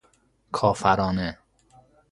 کافرانه